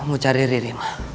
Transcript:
mau cari riri mah